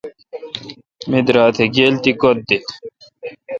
می درا تھ گیل تی کوتھ دیت۔